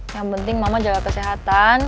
yang penting mama jaga kesehatan